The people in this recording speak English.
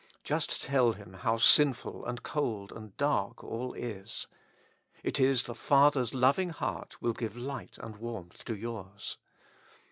Just tell Him how sinful and cold and dark all is ; it is the Father's loving heart will give light and warmth to yours.